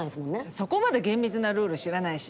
そこまで厳密なルール知らないし。